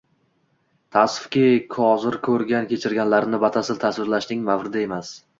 Taassufki, hozir ko`rgan-kechirganlarimni batafsil tasvirlashning mavridi emas